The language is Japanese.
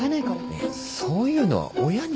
いやそういうのは親に。